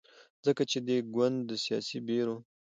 ځکه چې دې ګوند د سیاسي بیرو